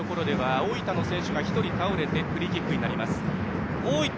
大分の選手が１人倒れてフリーキックになりました。